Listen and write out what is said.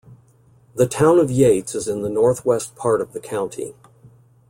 The Town of Yates is in the northwest part of the county.